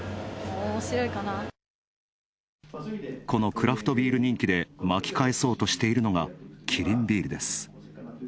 このクラフトビール人気で巻き返そうとしているのが、キリンビールです。